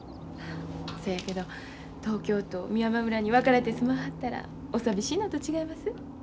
そやけど東京と美山村にわかれて住まはったらお寂しいのと違います？